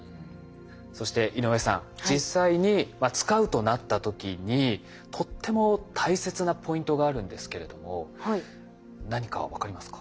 そして井上さん実際に使うとなった時にとっても大切なポイントがあるんですけれども何か分かりますか？